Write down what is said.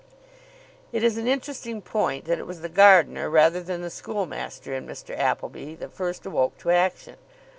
It is an interesting point that it was the gardener rather than the schoolmaster in Mr. Appleby that first awoke to action.